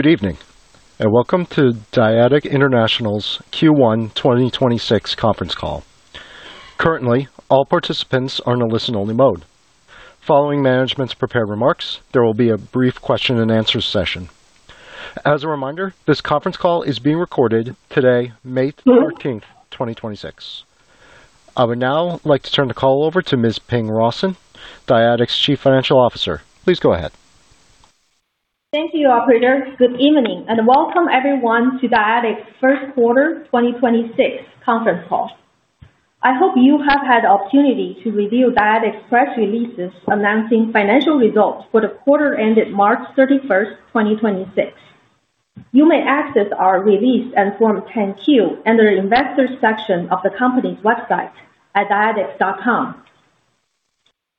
Good evening, and welcome to Dyadic International's Q1 2026 conference call. Currently, all participants are in a listen-only mode. Following management's prepared remarks, there will be a brief question and answer session. As a reminder, this conference call is being recorded today, May 13, 2026. I would now like to turn the call over to Ms. Ping Rawson, Dyadic's Chief Financial Officer. Please go ahead. Thank you, operator. Good evening, welcome everyone to Dyadic's first quarter 2026 conference call. I hope you have had the opportunity to review Dyadic's press releases announcing financial results for the quarter ended March 31st, 2026. You may access our release and Form 10-Q under the Investors section of the company's website at dyadic.com.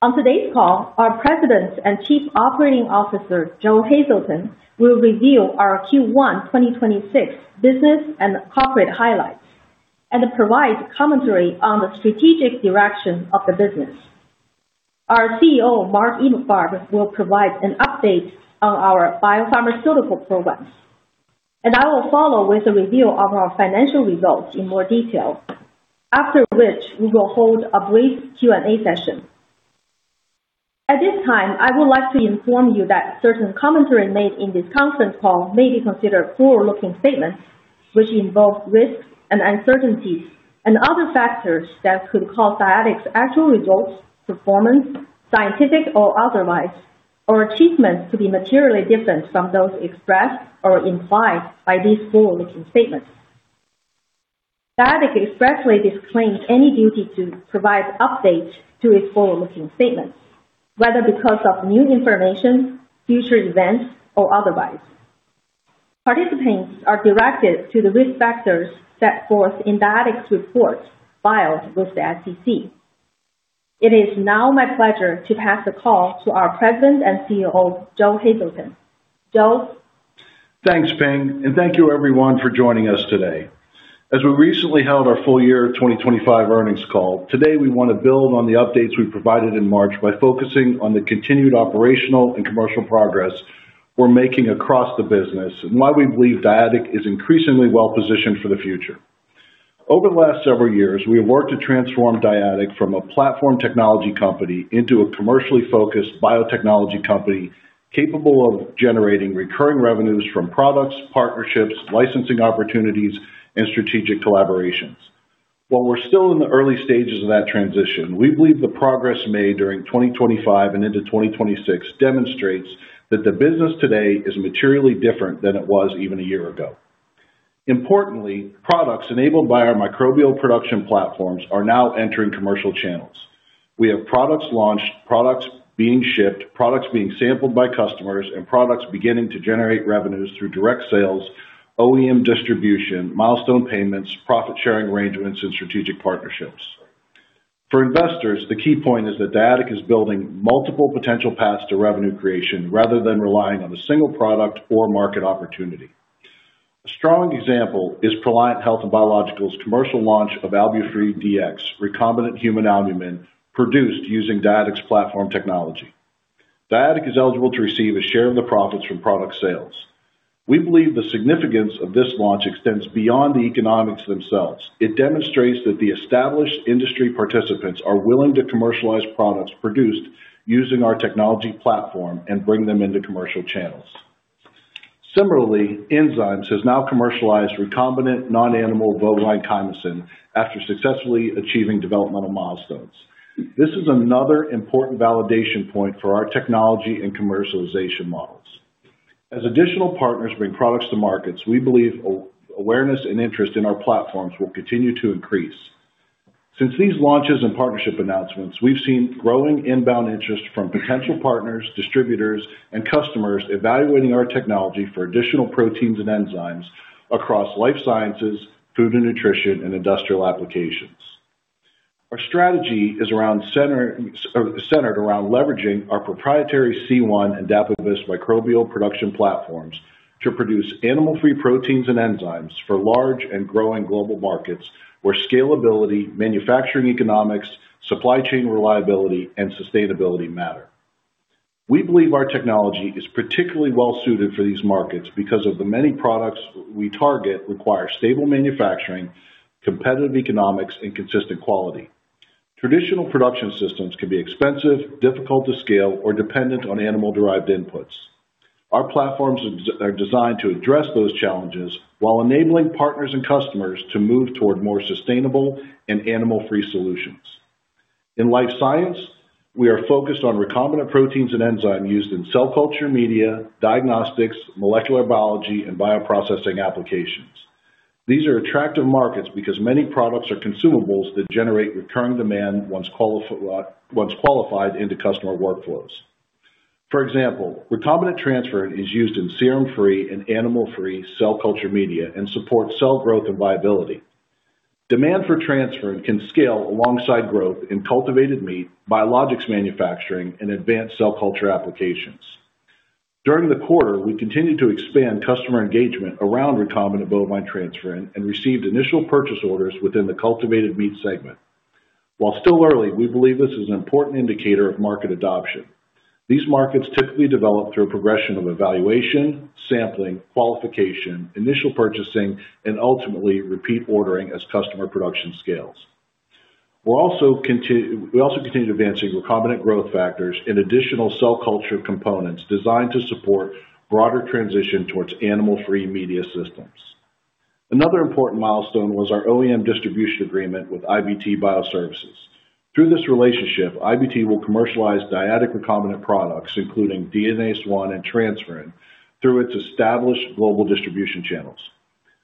On today's call, our President and Chief Operating Officer, Joseph P. Hazelton, will review our Q1 2026 business and corporate highlights and provide commentary on the strategic direction of the business. Our CEO, Mark A. Emalfarb, will provide an update on our biopharmaceutical programs. I will follow with a review of our financial results in more detail. After which, we will hold a brief Q&A session. At this time, I would like to inform you that certain commentary made in this conference call may be considered forward-looking statements, which involve risks and uncertainties and other factors that could cause Dyadic's actual results, performance, scientific or otherwise, or achievements to be materially different from those expressed or implied by these forward-looking statements. Dyadic expressly disclaims any duty to provide updates to its forward-looking statements, whether because of new information, future events, or otherwise. Participants are directed to the risk factors set forth in Dyadic's reports filed with the SEC. It is now my pleasure to pass the call to our President and CEO, Joe Hazelton. Joe. Thanks, Ping, and thank you everyone for joining us today. As we recently held our full year 2025 earnings call, today we want to build on the updates we provided in March by focusing on the continued operational and commercial progress we're making across the business and why we believe Dyadic is increasingly well-positioned for the future. Over the last several years, we have worked to transform Dyadic from a platform technology company into a commercially focused biotechnology company capable of generating recurring revenues from products, partnerships, licensing opportunities, and strategic collaborations. While we're still in the early stages of that transition, we believe the progress made during 2025 and into 2026 demonstrates that the business today is materially different than it was even one year ago. Importantly, products enabled by our microbial production platforms are now entering commercial channels. We have products launched, products being shipped, products being sampled by customers, and products beginning to generate revenues through direct sales, OEM distribution, milestone payments, profit sharing arrangements, and strategic partnerships. For investors, the key point is that Dyadic is building multiple potential paths to revenue creation rather than relying on a single product or market opportunity. A strong example is Proliant Health and Biological's commercial launch of AlbuFree DX, recombinant human albumin produced using Dyadic's platform technology. Dyadic is eligible to receive a share of the profits from product sales. We believe the significance of this launch extends beyond the economics themselves. It demonstrates that the established industry participants are willing to commercialize products produced using our technology platform and bring them into commercial channels. Similarly, Enzymes has now commercialized recombinant non-animal bovine chymosin after successfully achieving developmental milestones. This is another important validation point for our technology and commercialization models. As additional partners bring products to markets, we believe awareness and interest in our platforms will continue to increase. Since these launches and partnership announcements, we've seen growing inbound interest from potential partners, distributors, and customers evaluating our technology for additional proteins and enzymes across life sciences, food and nutrition, and industrial applications. Our strategy is centered around leveraging our proprietary C1 and Dapibus microbial production platforms to produce animal-free proteins and enzymes for large and growing global markets where scalability, manufacturing economics, supply chain reliability, and sustainability matter. We believe our technology is particularly well-suited for these markets because of the many products we target require stable manufacturing, competitive economics, and consistent quality. Traditional production systems can be expensive, difficult to scale, or dependent on animal-derived inputs. Our platforms are designed to address those challenges while enabling partners and customers to move toward more sustainable and animal-free solutions. In life science, we are focused on recombinant proteins and enzyme used in cell culture media, diagnostics, molecular biology, and bioprocessing applications. These are attractive markets because many products are consumables that generate recurring demand once qualified into customer workflows. For example, recombinant transferrin is used in serum-free and animal-free cell culture media and supports cell growth and viability. Demand for transferrin can scale alongside growth in cultivated meat, biologics manufacturing, and advanced cell culture applications. During the quarter, we continued to expand customer engagement around recombinant bovine transferrin and received initial purchase orders within the cultivated meat segment. While still early, we believe this is an important indicator of market adoption. These markets typically develop through a progression of evaluation, sampling, qualification, initial purchasing, and ultimately repeat ordering as customer production scales. We're also we also continue advancing recombinant growth factors and additional cell culture components designed to support broader transition towards animal-free media systems. Another important milestone was our OEM distribution agreement with IBT Bioservices. Through this relationship, IBT will commercialize Dyadic recombinant products, including DNase I and transferrin, through its established global distribution channels.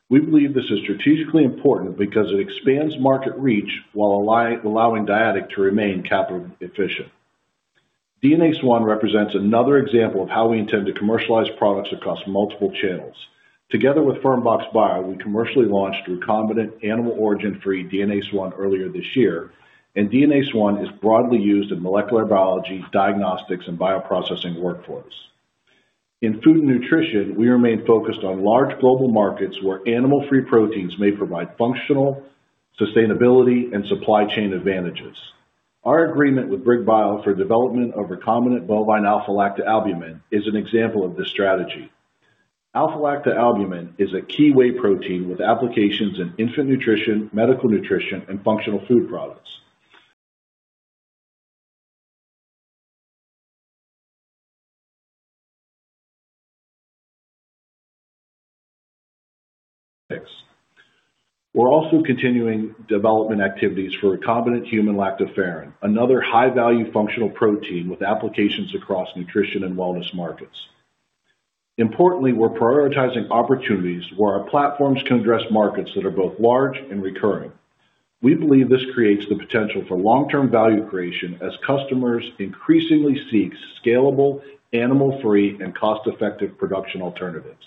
We believe this is strategically important because it expands market reach while allowing Dyadic to remain capital efficient. DNase I represents another example of how we intend to commercialize products across multiple channels. Together with FermBox Bio, we commercially launched recombinant animal origin-free DNase I earlier this year, and DNase I is broadly used in molecular biology, diagnostics, and bioprocessing workflows. In food and nutrition, we remain focused on large global markets where animal-free proteins may provide functional, sustainability, and supply chain advantages. Our agreement with Brigg Bio for development of recombinant bovine alpha-lactalbumin is an example of this strategy. Alpha-lactalbumin is a key whey protein with applications in infant nutrition, medical nutrition, and functional food products. We're also continuing development activities for recombinant human lactoferrin, another high-value functional protein with applications across nutrition and wellness markets. Importantly, we're prioritizing opportunities where our platforms can address markets that are both large and recurring. We believe this creates the potential for long-term value creation as customers increasingly seek scalable, animal-free, and cost-effective production alternatives.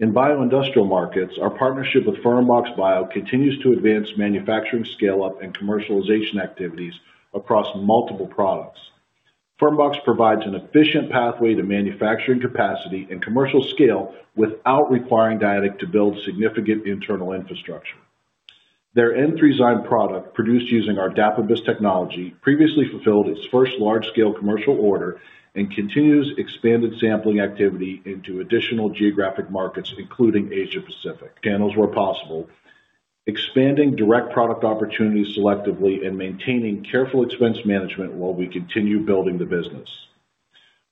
In bioindustrial markets, our partnership with FermBox Bio continues to advance manufacturing scale-up and commercialization activities across multiple products. FermBox provides an efficient pathway to manufacturing capacity and commercial scale without requiring Dyadic to build significant internal infrastructure. Their N3zyme product, produced using our Dapibus technology, previously fulfilled its first large-scale commercial order and continues expanded sampling activity into additional geographic markets, including Asia Pacific. Channels where possible, expanding direct product opportunities selectively, and maintaining careful expense management while we continue building the business.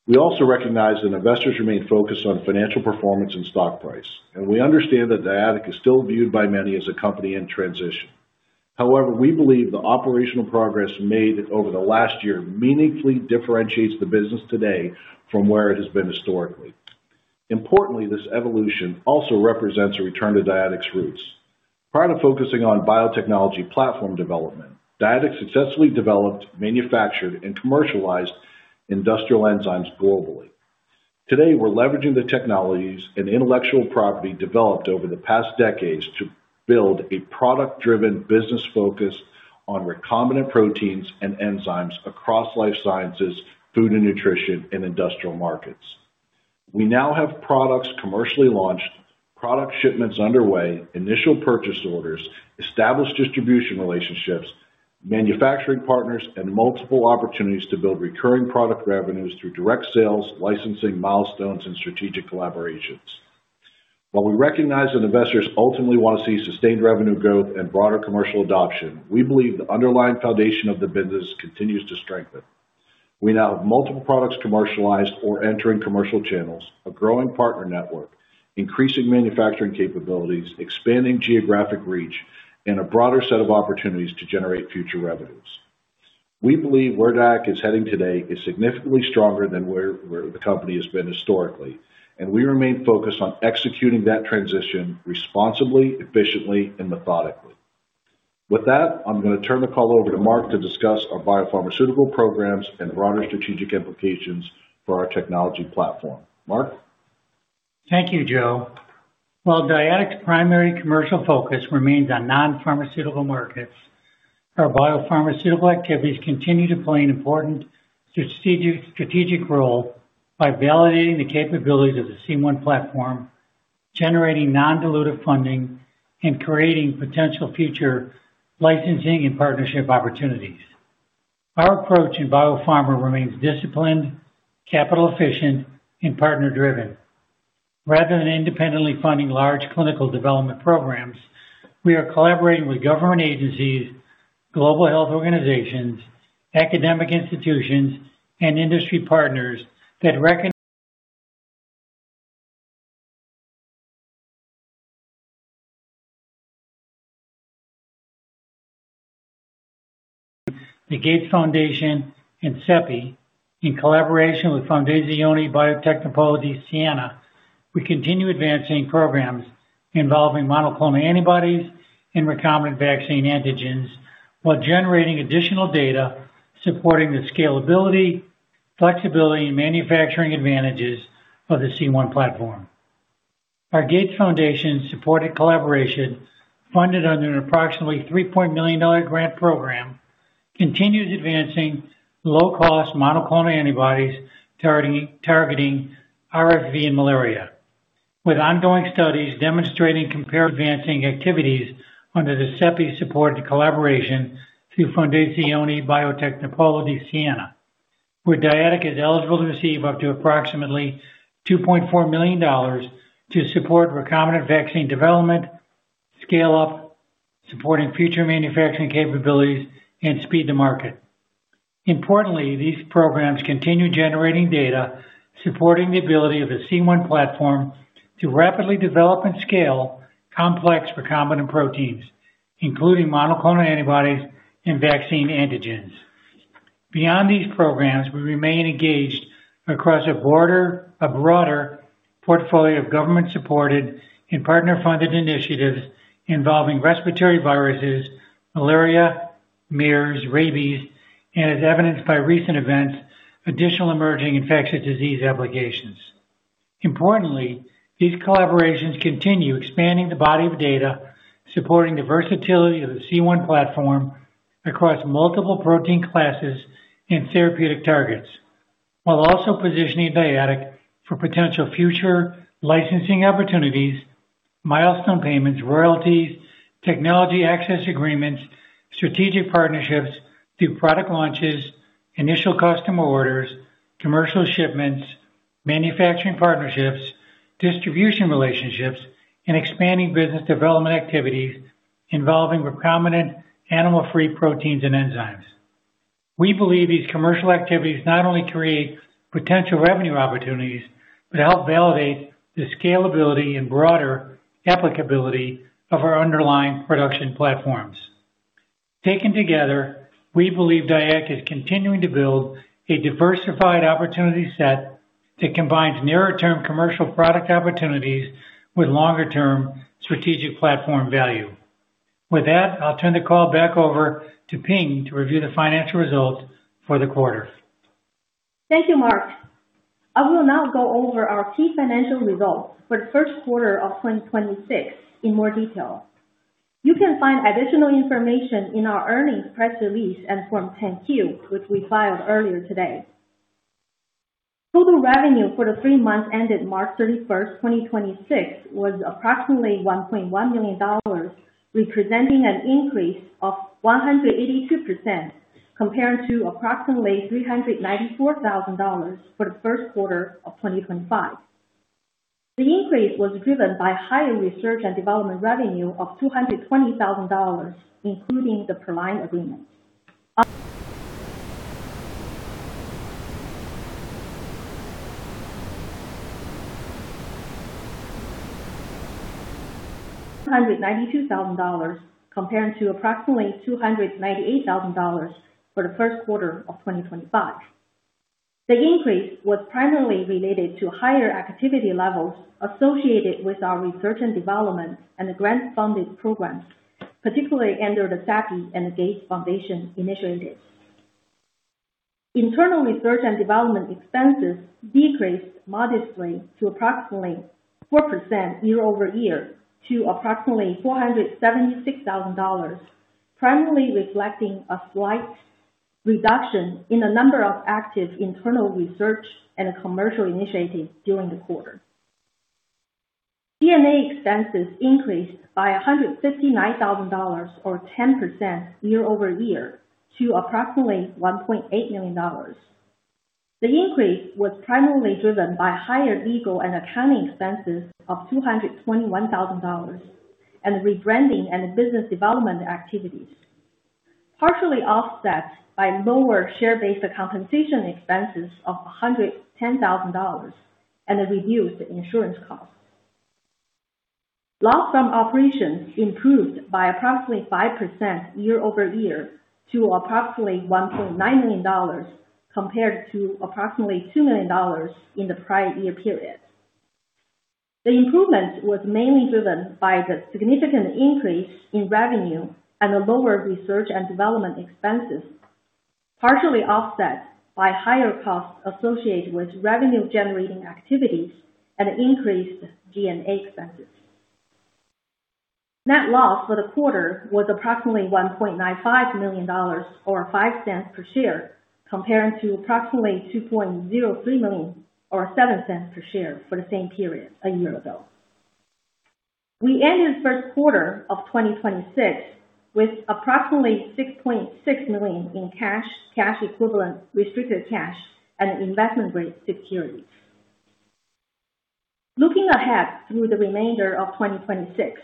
We also recognize that investors remain focused on financial performance and stock price, and we understand that Dyadic is still viewed by many as a company in transition. However, we believe the operational progress made over the last year meaningfully differentiates the business today from where it has been historically. Importantly, this evolution also represents a return to Dyadic's roots. Prior to focusing on biotechnology platform development, Dyadic successfully developed, manufactured, and commercialized industrial enzymes globally. Today, we're leveraging the technologies and intellectual property developed over the past decades to build a product-driven business focus on recombinant proteins and enzymes across life sciences, food and nutrition, and industrial markets. We now have products commercially launched, product shipments underway, initial purchase orders, established distribution relationships, manufacturing partners, and multiple opportunities to build recurring product revenues through direct sales, licensing milestones, and strategic collaborations. While we recognize that investors ultimately want to see sustained revenue growth and broader commercial adoption, we believe the underlying foundation of the business continues to strengthen. We now have multiple products commercialized or entering commercial channels, a growing partner network, increasing manufacturing capabilities, expanding geographic reach, and a broader set of opportunities to generate future revenues. We believe where Dyadic is heading today is significantly stronger than where the company has been historically, and we remain focused on executing that transition responsibly, efficiently, and methodically. With that, I'm going to turn the call over to Mark to discuss our biopharmaceutical programs and broader strategic implications for our technology platform. Mark? Thank you, Joe. While Dyadic's primary commercial focus remains on non-pharmaceutical markets, our biopharmaceutical activities continue to play an important strategic role by validating the capabilities of the C1 platform, generating non-dilutive funding, and creating potential future licensing and partnership opportunities. Our approach in biopharma remains disciplined, capital efficient, and partner driven. Rather than independently funding large clinical development programs, we are collaborating with government agencies, global health organizations, academic institutions, and industry partners. The Gates Foundation and CEPI, in collaboration with Fondazione Biotecnopolo Siena, we continue advancing programs involving monoclonal antibodies and recombinant vaccine antigens while generating additional data supporting the scalability, flexibility, and manufacturing advantages of the C1 platform. Our Gates Foundation-supported collaboration, funded under an approximately $3 million grant program, continues advancing low-cost monoclonal antibodies targeting RSV and malaria. With ongoing studies demonstrating compare advancing activities under the CEPI-supported collaboration through Fondazione Biotecnopolo di Siena, where Dyadic is eligible to receive up to approximately $2.4 million to support recombinant vaccine development, scale-up, supporting future manufacturing capabilities, and speed to market. Importantly, these programs continue generating data supporting the ability of the C1 platform to rapidly develop and scale complex recombinant proteins, including monoclonal antibodies and vaccine antigens. Beyond these programs, we remain engaged across a broader portfolio of government-supported and partner-funded initiatives involving respiratory viruses, malaria, MERS, rabies, and as evidenced by recent events, additional emerging infectious disease applications. Importantly, these collaborations continue expanding the body of data supporting the versatility of the C1 platform across multiple protein classes and therapeutic targets, while also positioning Dyadic for potential future licensing opportunities, milestone payments, royalties, technology access agreements, strategic partnerships through product launches, initial customer orders, commercial shipments, manufacturing partnerships, distribution relationships, and expanding business development activities involving recombinant animal-free proteins and enzymes. We believe these commercial activities not only create potential revenue opportunities, but help validate the scalability and broader applicability of our underlying production platforms. Taken together, we believe Dyadic is continuing to build a diversified opportunity set that combines nearer-term commercial product opportunities with longer-term strategic platform value. With that, I'll turn the call back over to Ping to review the financial results for the quarter. Thank you, Mark. I will now go over our key financial results for the first quarter of 2026 in more detail. You can find additional information in our earnings press release and Form 10-Q, which we filed earlier today. Total revenue for the three months ended March 31st, 2026 was approximately $1.1 million, representing an increase of 182% compared to approximately $394,000 for the first quarter of 2025. The increase was driven by higher research and development revenue of $220,000 including the Proliant agreement. $192,000 compared to approximately $298,000 for the first quarter of 2025. The increase was primarily related to higher activity levels associated with our research and development and grants-funded programs, particularly under the CEPI and the Gates Foundation initiatives. Internal research and development expenses decreased modestly to approximately 4% year-over-year to approximately $476,000, primarily reflecting a slight reduction in the number of active internal research and commercial initiatives during the quarter. G&A expenses increased by $159,000, or 10% year-over-year, to approximately $1.8 million. The increase was primarily driven by higher legal and accounting expenses of $221,000, and rebranding and business development activities, partially offset by lower share-based compensation expenses of $110,000, and a reduced insurance cost. Loss from operations improved by approximately 5% year-over-year to approximately $1.9 million, compared to approximately $2 million in the prior year period. The improvement was mainly driven by the significant increase in revenue and the lower research and development expenses, partially offset by higher costs associated with revenue-generating activities and increased G&A expenses. Net loss for the quarter was approximately $1.95 million or $0.05 per share, comparing to approximately $2.03 million or $0.07 per share for the same period a year ago. We ended the first quarter of 2026 with approximately $6.6 million in cash equivalent, restricted cash, and investment grade securities. Looking ahead through the remainder of 2026,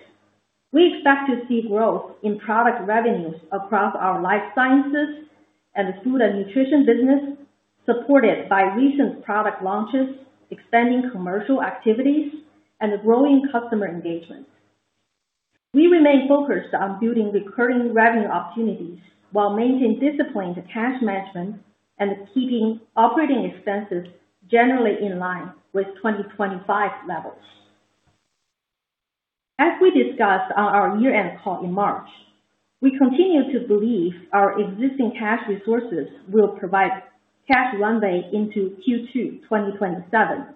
we expect to see growth in product revenues across our life sciences and food and nutrition business, supported by recent product launches, expanding commercial activities, and growing customer engagement. We remain focused on building recurring revenue opportunities while maintaining disciplined cash management and keeping operating expenses generally in line with 2025 levels. As we discussed on our year-end call in March, we continue to believe our existing cash resources will provide cash runway into Q2 2027.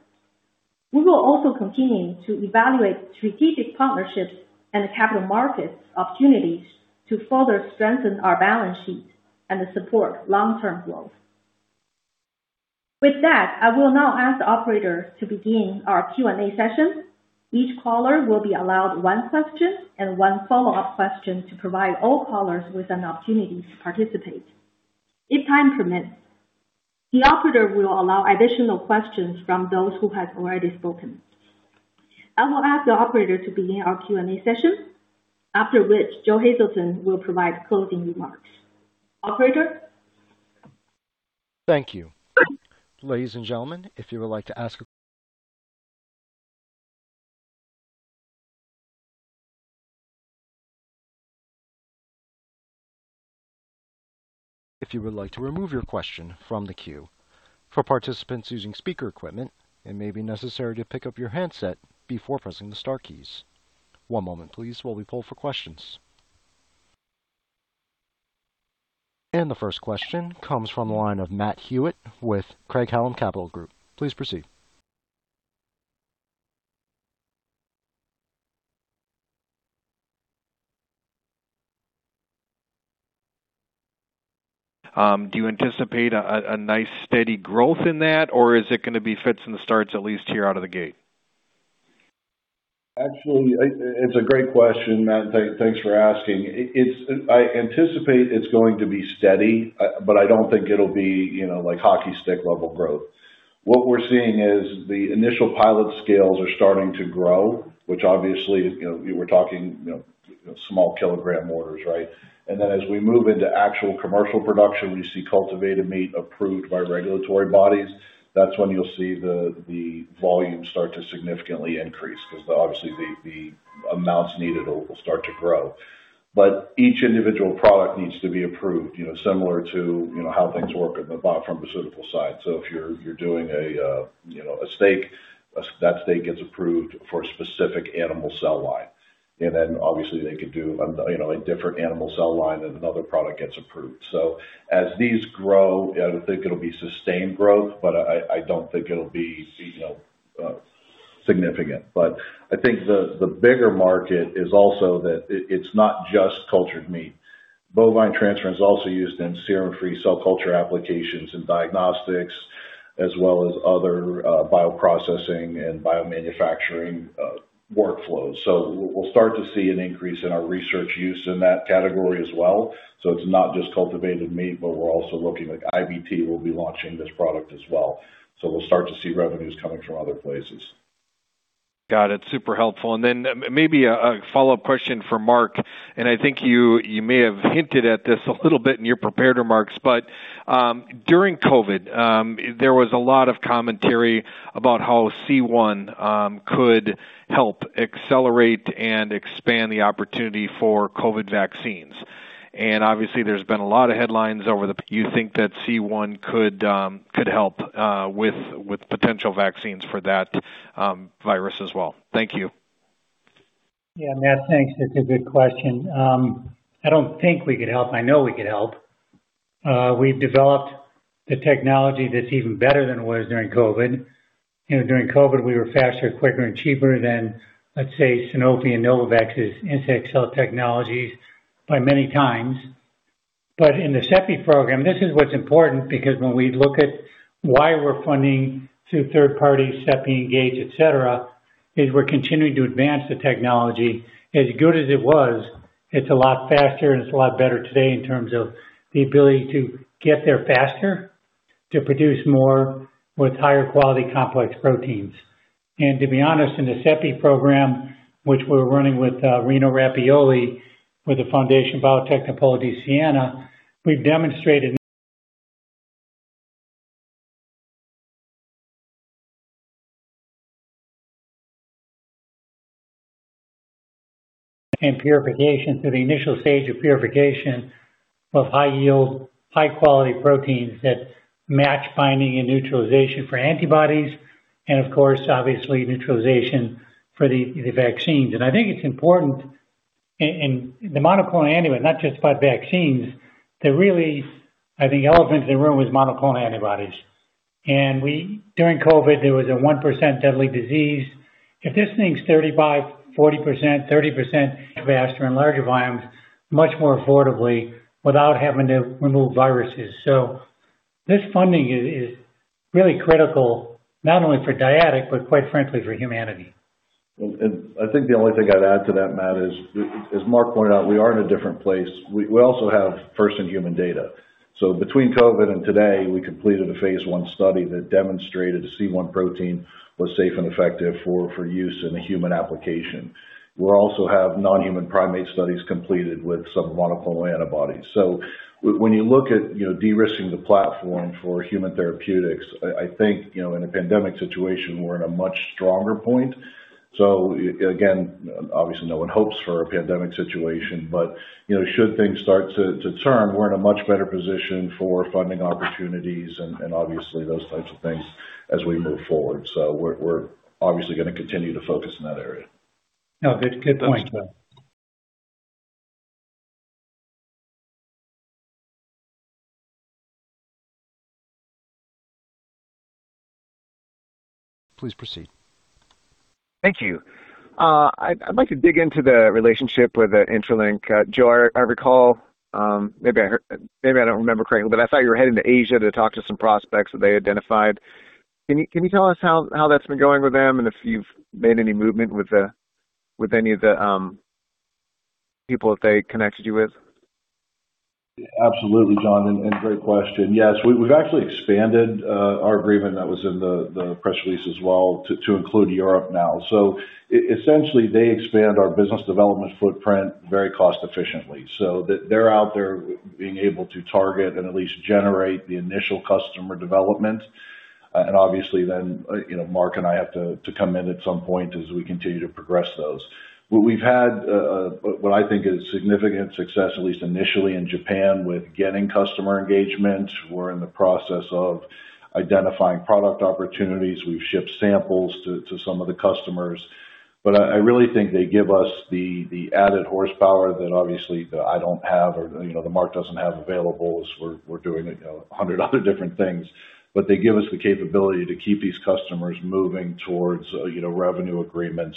We will also continue to evaluate strategic partnerships and capital markets opportunities to further strengthen our balance sheet and support long-term growth. With that, I will now ask the operator to begin our Q&A session. Each caller will be allowed one question and one follow-up question to provide all callers with an opportunity to participate. If time permits, the operator will allow additional questions from those who have already spoken. I will ask the operator to begin our Q&A session, after which Joe Hazelton will provide closing remarks. Operator? Thank you. Ladies and gentlemen, if you would like to remove your question from the queue. For participants using speaker equipment, it may be necessary to pick up your handset before pressing the star keys. One moment please while we poll for questions. The 1st question comes from the line of Matthew Hewitt with Craig-Hallum Capital Group. Please proceed. Do you anticipate a nice steady growth in that, or is it gonna be fits and starts, at least here out of the gate? It's a great question, Matt. Thanks for asking. I anticipate it's going to be steady, but I don't think it'll be, you know, like hockey stick level growth. What we're seeing is the initial pilot scales are starting to grow, which obviously, you know, we're talking, you know, small kilogram orders, right? As we move into actual commercial production, we see cultivated meat approved by regulatory bodies. That's when you'll see the volume start to significantly increase because obviously the amounts needed will start to grow. Each individual product needs to be approved, you know, similar to, you know, how things work in the biopharmaceutical side. If you're doing a, you know, a steak, that steak gets approved for a specific animal cell line. Obviously they could do, you know, a different animal cell line, and another product gets approved. As these grow, I think it'll be sustained growth, but I don't think it'll be, you know, significant. I think the bigger market is also that it's not just cultured meat. Bovine transferrin is also used in serum-free cell culture applications and diagnostics, as well as other bioprocessing and biomanufacturing workflows. We'll start to see an increase in our research use in that category as well. It's not just cultivated meat, but we're also looking like IBT will be launching this product as well. We'll start to see revenues coming from other places. Got it. Super helpful. Maybe a follow-up question for Mark, and I think you may have hinted at this a little bit in your prepared remarks, but during COVID, there was a lot of commentary about how C1 could help accelerate and expand the opportunity for COVID vaccines. You think that C1 could help with potential vaccines for that virus as well. Thank you. Yeah. Matt, thanks. It's a good question. I don't think we could help. I know we could help. We've developed the technology that's even better than it was during COVID. You know, during COVID, we were faster, quicker, and cheaper than, let's say, Sanofi and Novavax's insect cell technologies by many times. In the CEPI program, this is what's important because when we look at why we're funding through third party, CEPI, Engage, etc., is we're continuing to advance the technology. As good as it was, it's a lot faster and it's a lot better today in terms of the ability to get there faster, to produce more with higher quality complex proteins. To be honest, in the CEPI program, which we're running with Rino Rappuoli with the Fondazione Biotecnopolo di Siena, we've demonstrated and purification through the initial stage of purification of high yield, high quality proteins that match binding and neutralization for antibodies and of course, obviously neutralization for the vaccines. I think it's important in the monoclonal antibody, not just by vaccines, that really, I think elephant in the room was monoclonal antibodies. During COVID, there was a 1% deadly disease. If this thing's 35%-40%, 30% faster and larger volumes, much more affordably without having to remove viruses. This funding is really critical not only for Dyadic, but quite frankly, for humanity. I think the only thing I'd add to that, Matt, is Mark pointed out, we are in a different place. We also have first-in-human data. Between COVID and today, we completed a phase I study that demonstrated the C1 protein was safe and effective for use in a human application. We also have non-human primate studies completed with some monoclonal antibodies. When you look at, you know, de-risking the platform for human therapeutics, I think, you know, in a pandemic situation, we're in a much stronger point. Again, obviously, no one hopes for a pandemic situation, but, you know, should things start to turn, we're in a much better position for funding opportunities and obviously those types of things as we move forward. We're obviously gonna continue to focus in that area. No, good point. Please proceed. Thank you. I'd like to dig into the relationship with Intralink. Joe, I recall, maybe I don't remember correctly, but I thought you were heading to Asia to talk to some prospects that they identified. Can you tell us how that's been going with them, and if you've made any movement with any of the people that they connected you with? Absolutely, John, and great question. Yes, we've actually expanded our agreement that was in the press release as well to include Europe now. Essentially, they expand our business development footprint very cost efficiently. They're out there being able to target and at least generate the initial customer development. And obviously then, you know, Mark and I have to come in at some point as we continue to progress those. We've had what I think is significant success, at least initially in Japan, with getting customer engagement. We're in the process of identifying product opportunities. We've shipped samples to some of the customers. I really think they give us the added horsepower that obviously that I don't have or, you know, that Mark doesn't have available as we're doing, you know, a hundred other different things. They give us the capability to keep these customers moving towards, you know, revenue agreements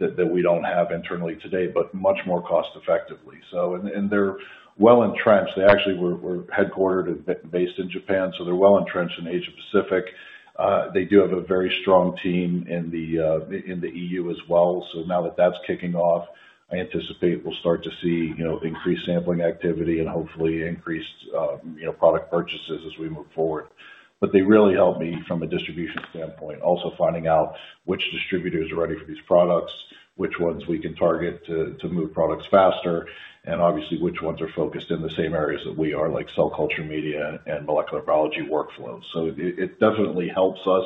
that we don't have internally today, but much more cost effectively. They're well-entrenched. They actually were headquartered and based in Japan, so they're well-entrenched in Asia-Pacific. They do have a very strong team in the E.U. as well. Now that that's kicking off, I anticipate we'll start to see, you know, increased sampling activity and hopefully increased, you know, product purchases as we move forward. They really help me from a distribution standpoint. Also finding out which distributors are ready for these products, which ones we can target to move products faster, and obviously which ones are focused in the same areas that we are, like cell culture media and molecular biology workflows. It definitely helps us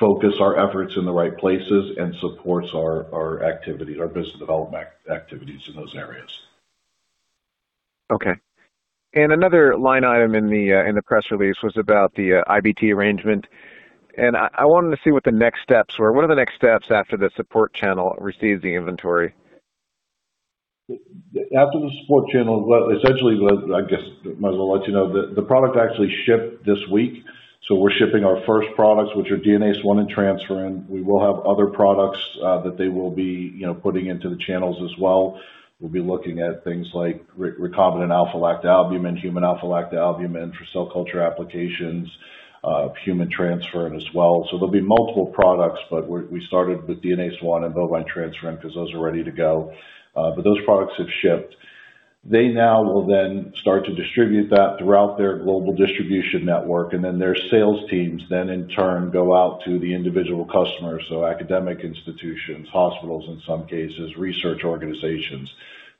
focus our efforts in the right places and supports our activities, our business development activities in those areas. Okay. And another line item in the in the press release was about the IBT arrangement. I wanted to see what the next steps were. What are the next steps after the support channel receives the inventory? After the support channel, well, essentially, I guess I might as well let you know, the product actually shipped this week. We're shipping our first products, which are DNase I and transferrin. We will have other products that they will be, you know, putting into the channels as well. We'll be looking at things like recombinant alpha lactalbumin, human alpha lactalbumin for cell culture applications, human transferrin as well. There'll be multiple products, but we started with DNase I and bovine transferrin because those are ready to go. Those products have shipped. They now will then start to distribute that throughout their global distribution network, their sales teams then in turn go out to the individual customers, so academic institutions, hospitals, in some cases, research organizations.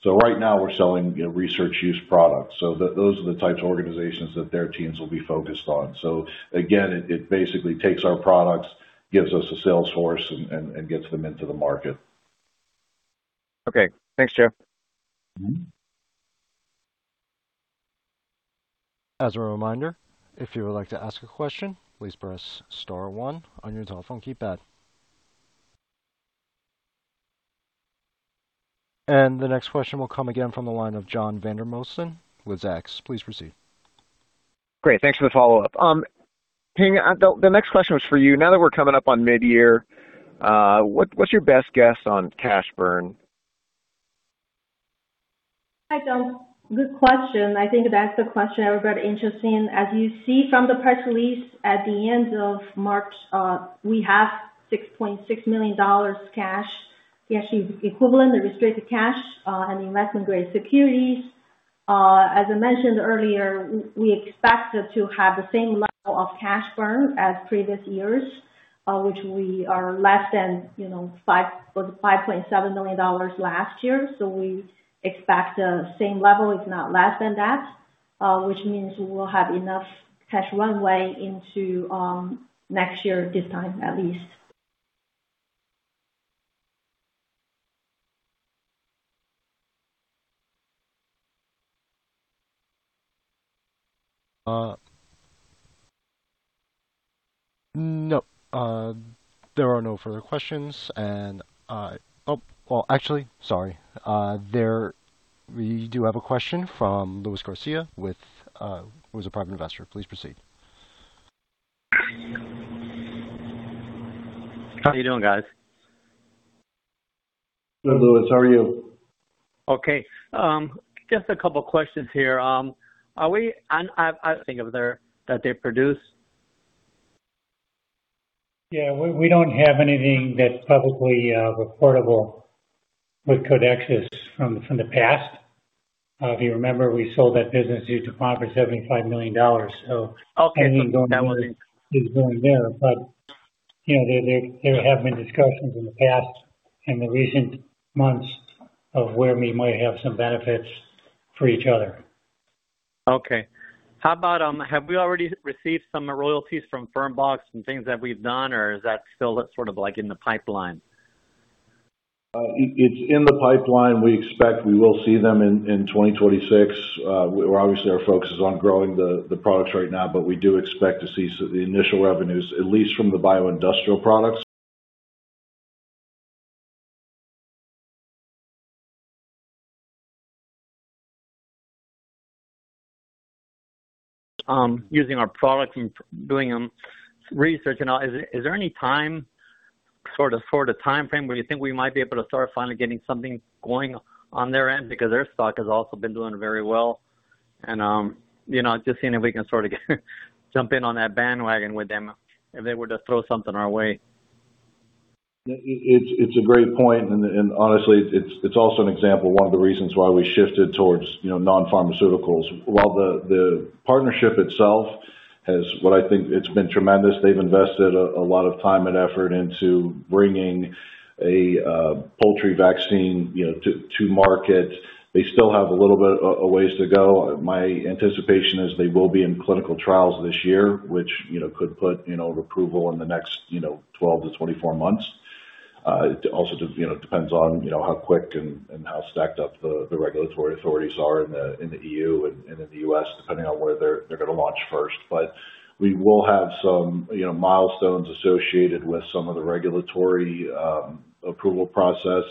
Right now we're selling, you know, research use products. Those are the types of organizations that their teams will be focused on. Again, it basically takes our products, gives us a sales source and gets them into the market. Okay. Thanks, Joe. Mm-hmm. As a reminder, if you would like to ask a question, please press star one on your telephone keypad. The next question will come again from the line of John D. Vandermosten with Zacks. Please proceed. Great. Thanks for the follow-up. Ping, the next question was for you. Now that we're coming up on mid-year, what's your best guess on cash burn? Hi, John. Good question. I think that's the question everybody interesting. As you see from the press release at the end of March, we have $6.6 million cash, the actually equivalent, the restricted cash, and investment-grade securities. As I mentioned earlier, we expect it to have the same level of cash burn as previous years, which we are less than, you know, $5.7 million last year. We expect the same level, if not less than that, which means we'll have enough cash runway into next year this time, at least. No. There are no further questions and Oh, well, actually, sorry. We do have a question from Louis Garcia with who is a private investor. Please proceed. How you doing, guys? Good, Louis. How are you? Okay. Just a couple of questions here. Yeah, we don't have anything that's publicly reportable with Codexis from the past. If you remember, we sold that business to DuPont for $75 million. Okay. Anything going there is going there. You know, there have been discussions in the past and the recent months of where we might have some benefits for each other. Okay. How about, have we already received some royalties from FermBox and things that we've done, or is that still sort of like in the pipeline? It's in the pipeline. We expect we will see them in 2026. Obviously our focus is on growing the products right now, but we do expect to see the initial revenues, at least from the bioindustrial products. Using our products and doing research and all, is there any time, sort of timeframe where you think we might be able to start finally getting something going on their end? Their stock has also been doing very well and just seeing if we can sort of get jump in on that bandwagon with them if they were to throw something our way. It's a great point and honestly, it's also an example of one of the reasons why we shifted towards, you know, non-pharmaceuticals. While the partnership itself has been tremendous. They've invested a lot of time and effort into bringing a poultry vaccine, you know, to market. They still have a little bit a ways to go. My anticipation is they will be in clinical trials this year, which, you know, could put, you know, approval in the next, you know, 12-24 months. It also depends on, you know, how quick and how stacked up the regulatory authorities are in the EU and in the U.S., depending on where they're gonna launch first. We will have some, you know, milestones associated with some of the regulatory approval process.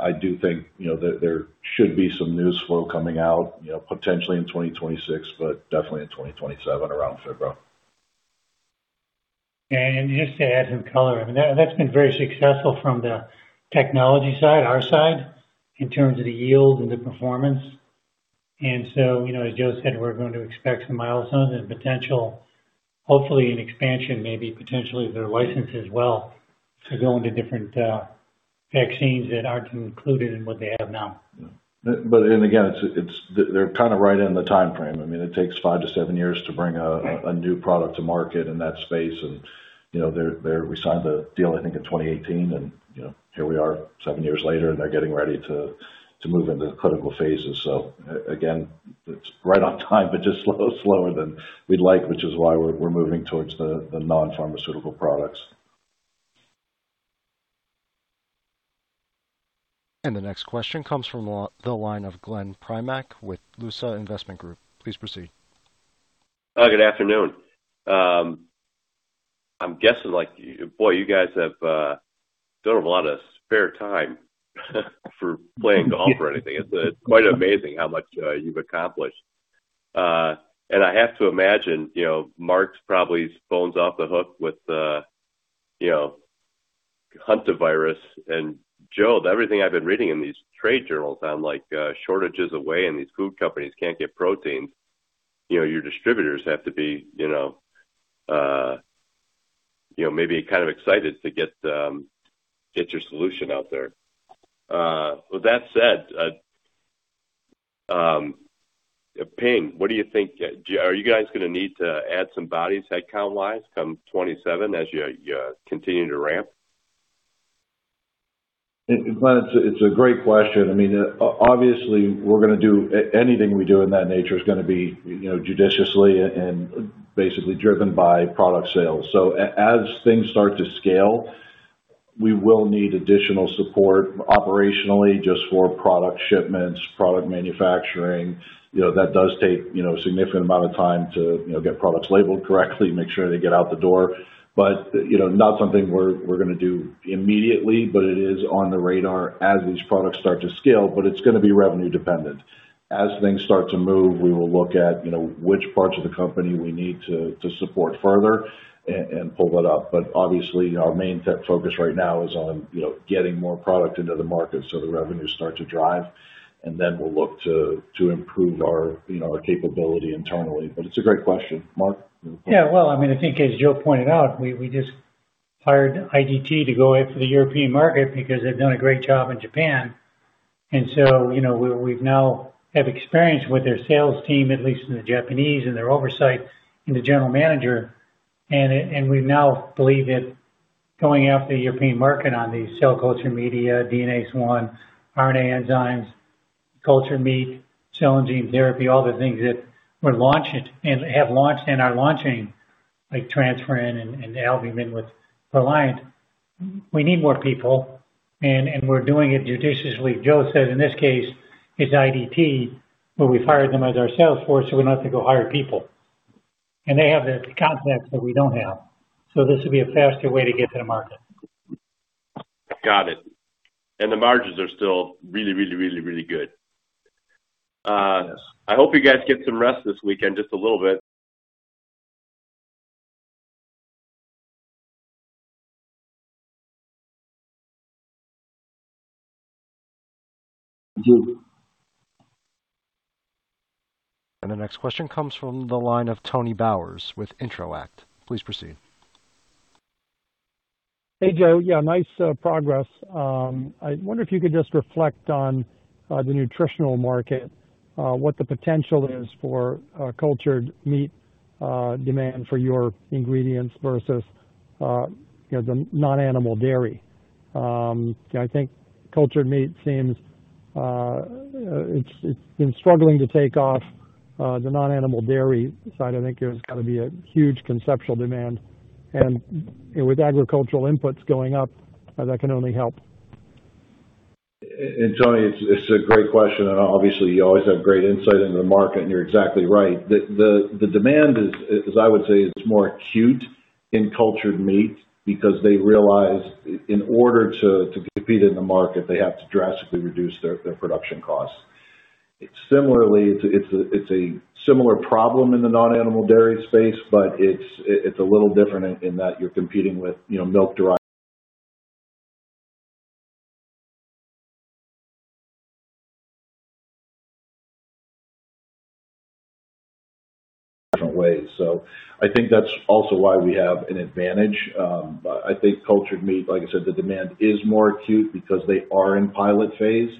I do think, you know, that there should be some news flow coming out, you know, potentially in 2026, but definitely in 2027 around Febrile. Just to add some color, I mean, that's been very successful from the technology side, our side, in terms of the yield and the performance. You know, as Joe said, we're going to expect some milestones and potential hopefully an expansion, maybe potentially of their license as well to go into different vaccines that aren't included in what they have now. Again, they're kind of right in the timeframe. I mean, it takes five to seven years to bring a new product to market in that space. You know, we signed the deal, I think, in 2018 and, you know, here we are seven years later, and they're getting ready to move into clinical phases. Again, it's right on time, but just slow, slower than we'd like, which is why we're moving towards the non-pharmaceutical products. The next question comes from the line of Glenn Primack with Lusa Investment Group. Please proceed. Good afternoon. I'm guessing like you, boy, you guys have don't have a lot of spare time for playing golf or anything. It's, it's quite amazing how much you've accomplished. I have to imagine, you know, Mark's probably his phone's off the hook with the, you know, hantavirus. Joe, with everything I've been reading in these trade journals on like, shortages away, and these food companies can't get protein. You know, your distributors have to be, you know, you know, maybe kind of excited to get your solution out there. With that said, Ping, what do you think? Are you guys gonna need to add some bodies headcount-wise come 27 as you continue to ramp? Glenn, it's a great question. I mean, obviously, we're gonna do anything we do in that nature is gonna be, you know, judiciously and basically driven by product sales. As things start to scale, we will need additional support operationally just for product shipments, product manufacturing. You know, that does take, you know, a significant amount of time to, you know, get products labeled correctly, make sure they get out the door. You know, not something we're gonna do immediately, but it is on the radar as these products start to scale, but it's gonna be revenue dependent. As things start to move, we will look at, you know, which parts of the company we need to support further and pull that up. Obviously, our main focus right now is on, you know, getting more product into the market so the revenues start to drive, and then we'll look to improve our, you know, our capability internally. It's a great question. Mark, you want to- Yeah. Well, I mean, I think as Joe pointed out, we just hired IDT to go after the European market because they've done a great job in Japan. You know, we've now have experience with their sales team, at least in the Japanese, and their oversight and the general manager. We now believe that going after the European market on these cell culture media, DNase I, RNA enzymes, cultured meat, cell and gene therapy, all the things that we're launching and have launched and are launching, like transferrin and albumin with Proliant, we need more people, and we're doing it judiciously. Joe said in this case, it's IDT, but we've hired them as our sales force, so we don't have to go hire people. They have the contacts that we don't have. This would be a faster way to get to the market. Got it. The margins are still really, really, really, really good. Yes. I hope you guys get some rest this weekend, just a little bit. Thank you. The next question comes from the line of Tony Bowers with Intralink. Please proceed. Hey, Joe. Yeah, nice progress. I wonder if you could just reflect on the nutritional market, what the potential is for cultured meat, demand for your ingredients versus, you know, the non-animal dairy. I think cultured meat seems it's been struggling to take off. The non-animal dairy side, I think there's got to be a huge conceptual demand. With agricultural inputs going up, that can only help. Tony, it's a great question, and obviously you always have great insight into the market, and you're exactly right. The demand is I would say it's more acute in cultured meat because they realize in order to compete in the market, they have to drastically reduce their production costs. Similarly, it's a similar problem in the non-animal dairy space, but it's a little different in that you're competing with, you know, milk derived different ways. I think that's also why we have an advantage. I think cultured meat, like I said, the demand is more acute because they are in pilot phase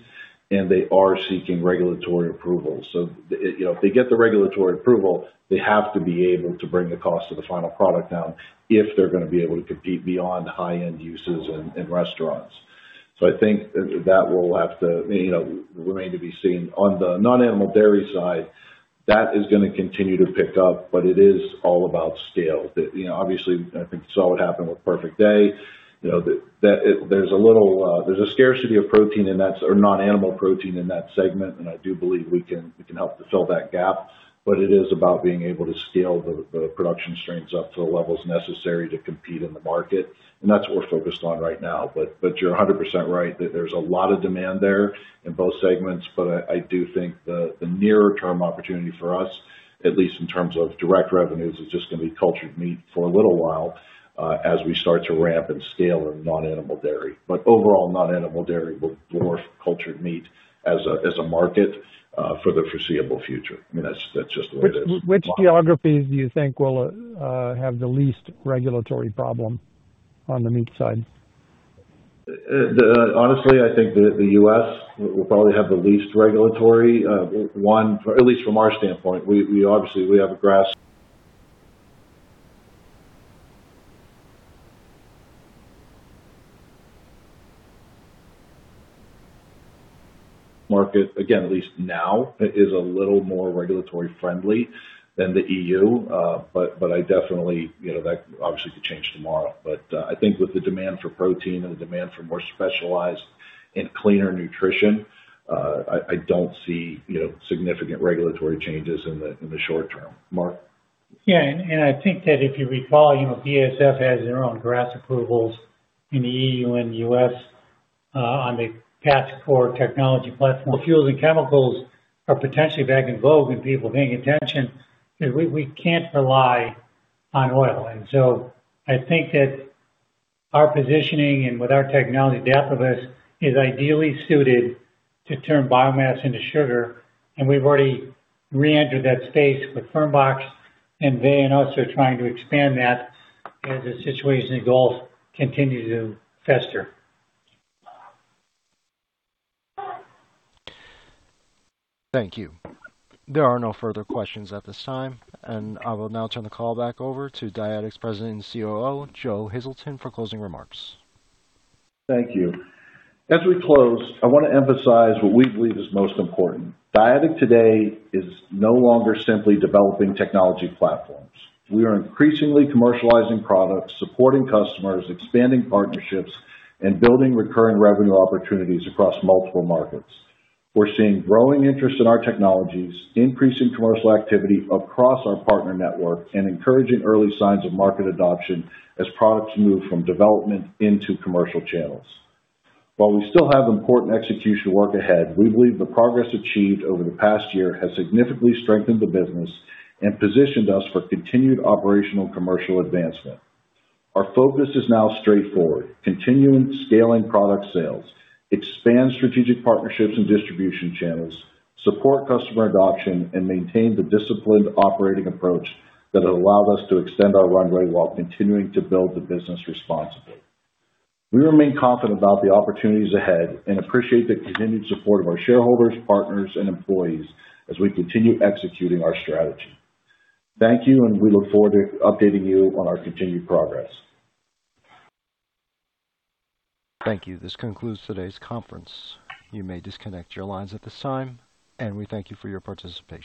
and they are seeking regulatory approval. You know, if they get the regulatory approval, they have to be able to bring the cost of the final product down if they're gonna be able to compete beyond high-end uses and restaurants. I think that will have to, you know, remain to be seen. On the non-animal dairy side, that is gonna continue to pick up, but it is all about scale. You know, obviously, I think you saw what happened with Perfect Day. You know, there's a little There's a scarcity of protein in that or non-animal protein in that segment, and I do believe we can help to fill that gap. It is about being able to scale the production streams up to the levels necessary to compete in the market. That's what we're focused on right now. You're 100% right. There's a lot of demand there in both segments. I do think the nearer term opportunity for us, at least in terms of direct revenues, is just gonna be cultured meat for a little while, as we start to ramp and scale in non-animal dairy. Overall, non-animal dairy will dwarf cultured meat as a market for the foreseeable future. I mean, that's just the way it is. Which geographies do you think will have the least regulatory problem on the meat side? Honestly, I think the U.S. will probably have the least regulatory one. At least from our standpoint. We obviously, we have a GRAS market. Again, at least now it is a little more regulatory friendly than the EU. I definitely, you know, that obviously could change tomorrow. I think with the demand for protein and the demand for more specialized and cleaner nutrition, I don't see, you know, significant regulatory changes in the short term. Mark? Yeah. I think that if you recall, BASF has their own GRAS approvals in the EU and the U.S. on the Patcor technology platform. Fuels and chemicals are potentially back in vogue and people paying attention. We can't rely on oil. I think that our positioning and with our technology Dapibus is ideally suited to turn biomass into sugar. We've already reentered that space with FermBox Bio, and they and us are trying to expand that as the situation in the Gulf continues to fester. Thank you. There are no further questions at this time. I will now turn the call back over to Dyadic's President and COO, Joseph P. Hazelton, for closing remarks. Thank you. As we close, I wanna emphasize what we believe is most important. Dyadic today is no longer simply developing technology platforms. We are increasingly commercializing products, supporting customers, expanding partnerships, and building recurring revenue opportunities across multiple markets. We're seeing growing interest in our technologies, increasing commercial activity across our partner network, and encouraging early signs of market adoption as products move from development into commercial channels. While we still have important execution work ahead, we believe the progress achieved over the past year has significantly strengthened the business and positioned us for continued operational commercial advancement. Our focus is now straightforward, continuing scaling product sales, expand strategic partnerships and distribution channels, support customer adoption, and maintain the disciplined operating approach that allowed us to extend our runway while continuing to build the business responsibly. We remain confident about the opportunities ahead and appreciate the continued support of our shareholders, partners, and employees as we continue executing our strategy. Thank you, and we look forward to updating you on our continued progress. Thank you. This concludes today's conference. You may disconnect your lines at this time, and we thank you for your participation.